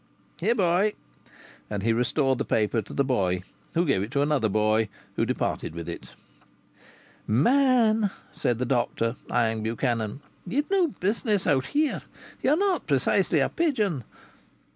Here, boy!" And he restored the paper to the boy, who gave it to another boy, who departed with it. "Man," said the doctor, eyeing Buchanan. "Ye'd no business out here. Ye're not precisely a pigeon."